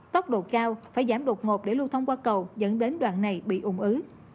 tốc độ cao phải giảm đột ngột để lưu thông qua cầu dẫn đến đoạn này bị ủng ứ